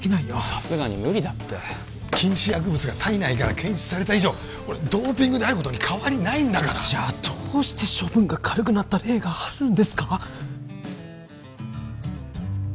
さすがに無理だって禁止薬物が体内から検出された以上ドーピングであることに変わりないんだからじゃあどうして処分が軽くなった例があるんですか？